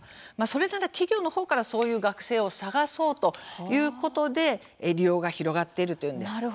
それなら企業のほうからそういう学生を探そうということで利用が広がっているというのです。